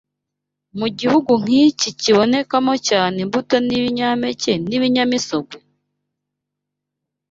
mu gihugu nk’iki kibonekamo cyane imbuto n’ impeke n’ibinyamisogwe?